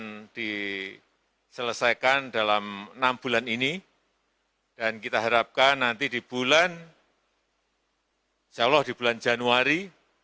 akan diselesaikan dalam enam bulan ini dan kita harapkan nanti di bulan insya allah di bulan januari